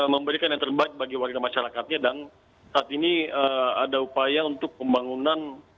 memberikan yang terbaik bagi warga masyarakatnya dan saat ini ada upaya untuk pembangunan